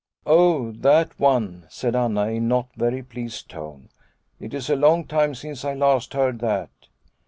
" Oh, that one," said Anna in no very pleased tone. "It is a long time since I last heard that."